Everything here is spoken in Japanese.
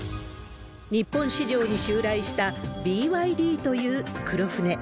日本市場に襲来したＢＹＤという黒船。